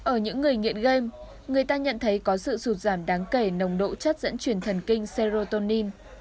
ở những người nghiện game người ta nhận thấy có sự sụt giảm đáng kể nồng độ chất dẫn truyền thần kinh seoutonin